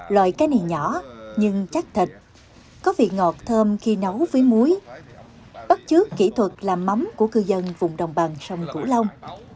loại cá này nhỏ nhưng chắc thịt có vị ngọt thơm khi nấu với muối bất chứa kỹ thuật làm mắm của cư dân vùng đồng bằng sông cửu long